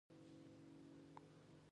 ایا زه بله اونۍ راشم؟